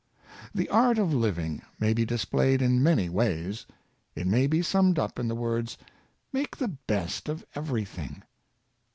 The art of living may be displayed in many ways. It may be summed up in the words, " Make the best of everything."